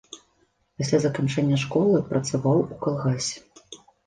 Пасля заканчэння школы працаваў у калгасе.